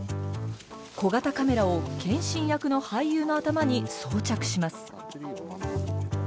小型カメラを謙信役の俳優の頭に装着します。